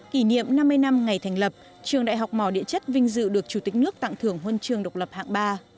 kỷ niệm năm mươi năm ngày thành lập trường đại học mỏ địa chất vinh dự được chủ tịch nước tặng thưởng huân chương độc lập hạng ba